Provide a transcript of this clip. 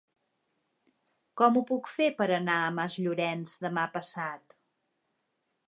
Com ho puc fer per anar a Masllorenç demà passat?